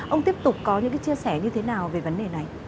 ông tiếp tục có những chia sẻ như thế nào về vấn đề này